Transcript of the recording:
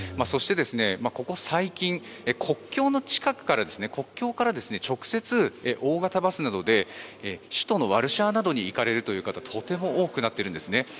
そして、ここ最近国境の近くから国境から直接大型バスなどで首都のワルシャワなどに行かれるという方とても多くなっているんですね。